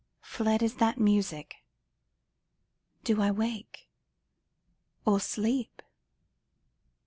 Fled is that music : ŌĆö Do I wake or sleep